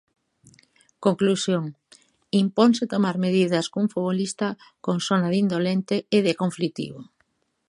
Conclusión: imponse tomar medidas cun futbolista con sona de indolente e de conflitivo.